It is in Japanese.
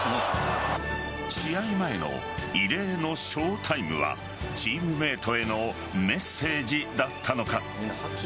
試合前の異例のショータイムはチームメートへのメッセージだったのか。